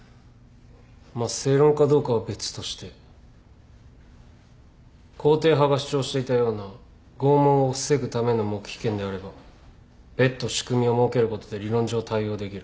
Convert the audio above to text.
まあ正論かどうかは別として肯定派が主張していたような拷問を防ぐための黙秘権であれば別途仕組みを設けることで理論上対応できる。